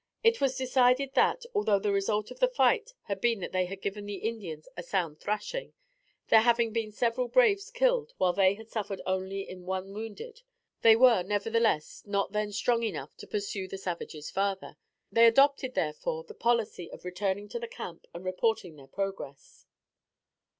It was decided, that, although the result of the fight had been that they had given the Indians a sound thrashing, there having been several braves killed while they had suffered only in one wounded, they were, nevertheless, not then strong enough to pursue the savages farther. They adopted therefore the policy of returning to the camp and reporting their progress.